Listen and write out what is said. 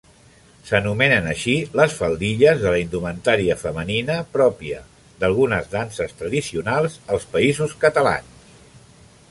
S'anomenen així les faldilles de la indumentària femenina pròpia d'algunes danses tradicionals als Països Catalans.